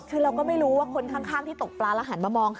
คือเราก็ไม่รู้ว่าคนข้างที่ตกปลาแล้วหันมามอง